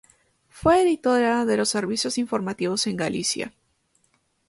Fue editora de los servicios informativos en Galicia.